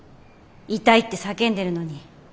痛いって叫んでるのに。